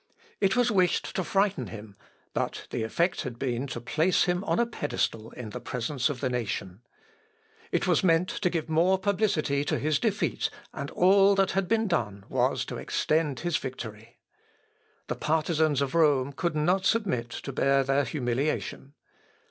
It was wished to frighten him, but the effect had been to place him on a pedestal in presence of the nation. It was meant to give more publicity to his defeat, and all that had been done was to extend his victory. The partisans of Rome could not submit to bear their humiliation.